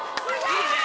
いいね。